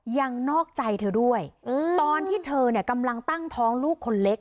อย่างนอกใจเธอด้วยตอนที่เธอกำลังตั้งท้องลูกคนเล็ก